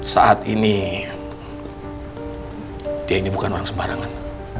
saat ini dia ini bukan orang sembarangan